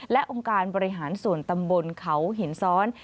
และองค์การบริหารส่วนตำบลเขาหินซ้อน